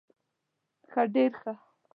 ښه ډير ښه